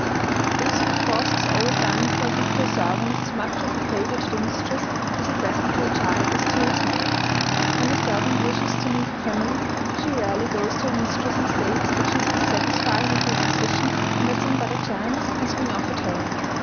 This, of course, is always done, for a gift to a servant is as much of a favor to the mistress as a present to a child is to its mother. When a servant wishes to leave a family, she rarely goes to her mistress and states that she is dissatisfied with her position, and that some better chance has been offered her.